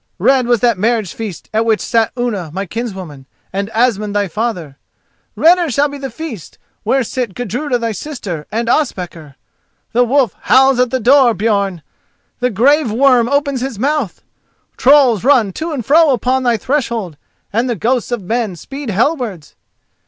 Red was that marriage feast at which sat Unna, my kinswoman, and Asmund, thy father—redder shall be the feast where sit Gudruda, thy sister, and Ospakar! The wolf howls at thy door, Björn! the grave worm opens his mouth! trolls run to and fro upon thy threshold, and the ghosts of men speed Hellwards!